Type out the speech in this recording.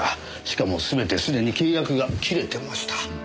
しかも全てすでに契約が切れてました。